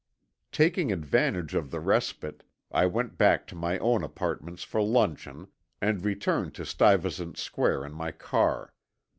Taking advantage of the respite, I went back to my own apartments for luncheon, and returned to Stuyvesant Square in my car.